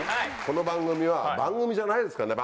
この番組は番組じゃないですからね。